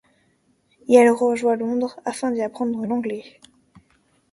Elle a rejoint Londres afin d'y apprendre l'anglais.